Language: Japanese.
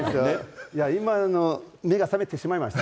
今の、目が覚めてしまいました。